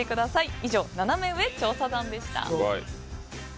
以上、ナナメ上調査団でした。